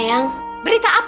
kerjanya korean eingean